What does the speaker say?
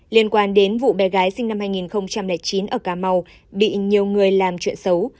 liên quan đến vụ bé gái sinh năm hai nghìn chín ở cà mau bị nhiều người làm chuyện xấu